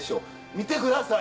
見てください